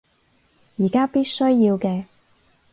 而家必須要嘅